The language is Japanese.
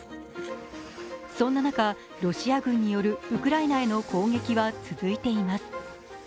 そんな中、ロシア軍によるウクライナへの攻撃は続いています。